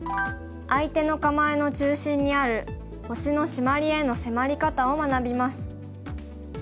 相手の構えの中心にある星のシマリへの迫り方を学びます。